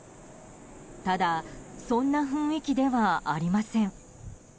ただ、そんな雰囲気ではありません。